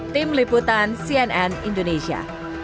tim liputan cnn indonesia